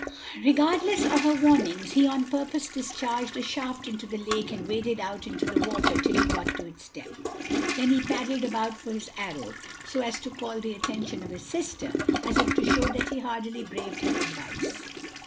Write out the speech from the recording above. Regardless of her warnings, he on purpose discharged a shaft into the lake and waded out into the water till he got to its depth. Then he paddled about for his arrow, so as to call the attention of his sister, as if to show that he hardily braved her advice.